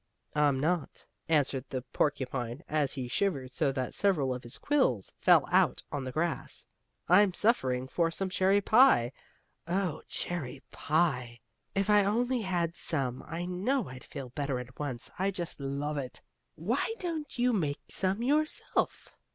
"I'm not," answered the porcupine, as he shivered so that several of his quills fell out on the grass. "I'm suffering for some cherry pie. Oh, cherry pie! If I only had some I know I'd feel better at once. I just love it!" "Why don't you make some yourself?"